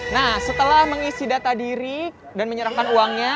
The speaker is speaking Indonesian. nah setelah mengisi data diri dan menyerahkan uangnya